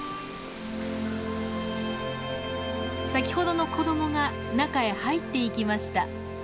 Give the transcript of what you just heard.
先ほどの子どもが中へ入っていきました。